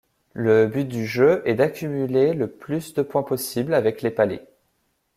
Le but du jeu est d’accumuler le plus de points possible avec les palets.